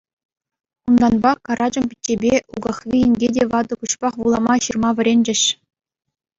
Унтанпа Карачӑм пиччепе Укахви инке те ватӑ пуҫпах вулама-ҫырма вӗренчӗҫ.